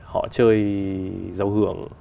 họ chơi dấu hưởng